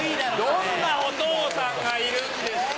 どんなお父さんがいるんですか！